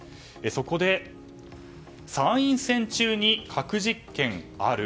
そこで、参院選中に核実験ある？